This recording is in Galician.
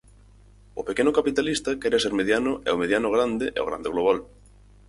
O pequeno capitalista quere ser mediano e o mediano, grande e o grande, global.